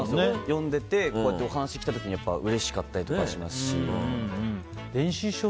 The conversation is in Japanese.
読んでてお話きた時にうれしかったですし。